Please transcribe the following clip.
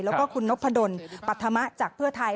แล้วก็คุณนพดลปัธมะจากเพื่อไทย